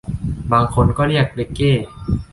บางคนก็เรียกเร็กเก้